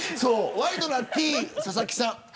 ワイドナティーンの佐々木さん